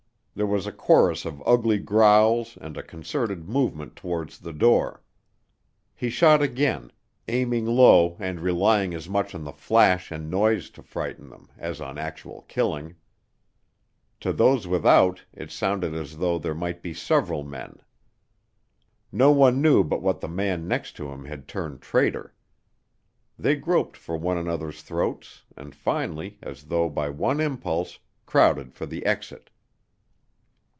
There was a chorus of ugly growls and a concerted movement towards the door. He shot again, aiming low and relying as much on the flash and noise to frighten them as on actual killing. To those without it sounded as though there might be several men. No one knew but what the man next to him had turned traitor. They groped for one another's throats and finally, as though by one impulse, crowded for the exit.